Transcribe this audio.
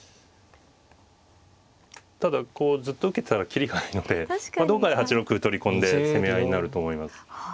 ただこうずっと受けてたら切りがないのでどっかで８六歩取り込んで攻め合いになると思います。